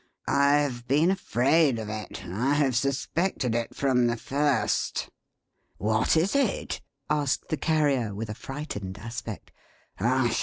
I have been afraid of it. I have suspected it from the first." "What is it?" asked the Carrier, with a frightened aspect. "Hush!